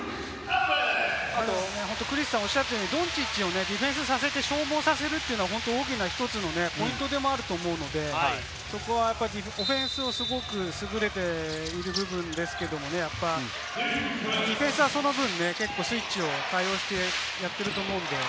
ドンチッチをディフェンスさせて消耗させるというのが１つのポイントでもあると思うので、オフェンスがすごく優れている部分ですけれど、ディフェンスはその分、スイッチを対応してやっていると思うので。